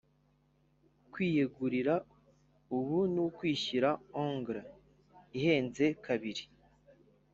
kwiyegurira ubu ni kwishyura ogre ihenze kabiri.